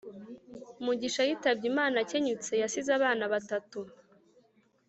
Mugisha yitabye Imana akenyutse yasize abana batatu